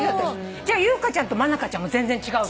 じゃあ優香ちゃんと真香ちゃんも全然違うの？